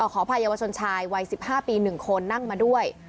ขออภัยเยาวชนชายวัย๑๕ปี๑คนนั่งมาด้วย